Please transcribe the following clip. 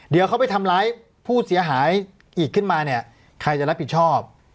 เดี๋ยวเขาไปทำร้ายผู้เสียหายอีกขึ้นมาเนี่ยใครจะรับผิดชอบ